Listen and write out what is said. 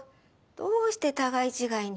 どうして互い違いに。